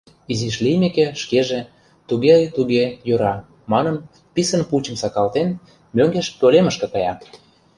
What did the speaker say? Изиш лиймеке, шкеже: «Туге, туге, йӧра», — манын, писын пучым сакалтен, мӧҥгеш пӧлемышке кая.